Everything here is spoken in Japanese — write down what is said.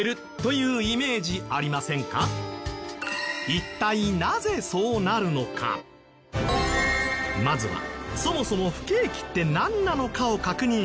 一体まずはそもそも不景気ってなんなのかを確認しておこう。